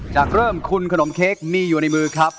เริ่มคุณขนมเค้กมีอยู่ในมือครับ